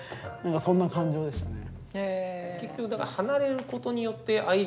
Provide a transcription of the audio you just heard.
そんな感情でしたね。